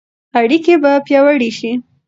اړیکې به پیاوړې شي.